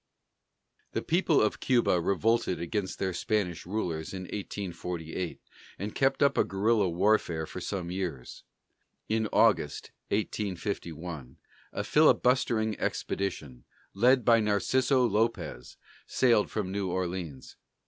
The people of Cuba revolted against their Spanish rulers in 1848, and kept up a guerilla warfare for some years. In August, 1851, a filibustering expedition, led by Narciso Lopez, sailed from New Orleans.